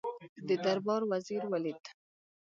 د دربار وزیر ولید.